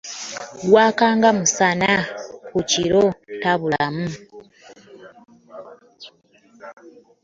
Ssegwaka nga musana, ku kiro tabulamu.